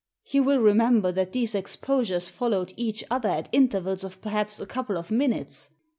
"You will remember that these ex posures followed each other at intervals of perhaps a couple of minutes.